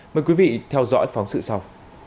mời quý vị theo dõi phóng sự sau